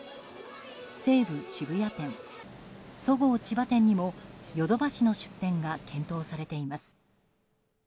西武渋谷店、そごう千葉店にもヨドバシの出店が検討されています。